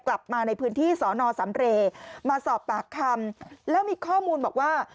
กลับมาในพื้นที่สอนอสำเรย์มาสอบปากคำแล้วมีข้อมูลบอกว่า